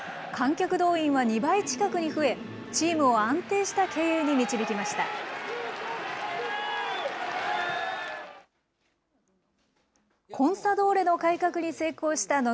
観客動員は２倍近くに増え、チームを安定した経営に導きました。